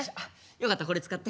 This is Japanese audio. よかったらこれ使って。